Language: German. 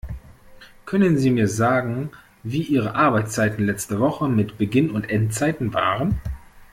Können Sie mir sagen, wie Ihre Arbeitszeiten letzte Woche mit Beginn und Endzeiten waren?